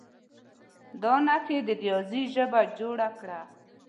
دا نښې د ریاضي ژبه جوړه کړه.